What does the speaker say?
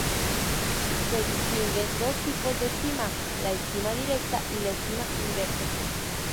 Se distinguen dos tipos de estima: la "estima directa" y la "estima inversa".